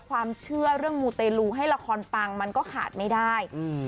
ความเชื่อเรื่องมูเตลูให้ละครปังมันก็ขาดไม่ได้อืม